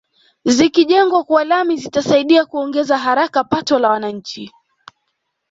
Zikijengwa kwa lami zitasaidia kuongeza haraka pato la wananchi